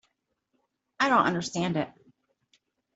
I don't understand it.